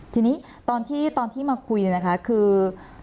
ทีนี้ตอนที่มาคุยนะคะคือ